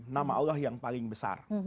nama allah yang paling besar